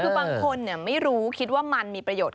คือบางคนไม่รู้คิดว่ามันมีประโยชน์